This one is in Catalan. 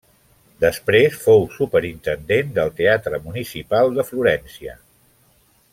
Després fou superintendent del teatre municipal de Florència.